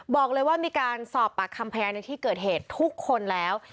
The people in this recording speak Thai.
บอกเลยว่ามีการสอบปากคำพยานในที่เกิดเหตุทุกคนแล้ว